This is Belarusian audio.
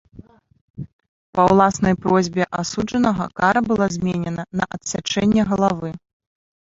Па ўласнай просьбе асуджанага кара была заменена на адсячэнне галавы.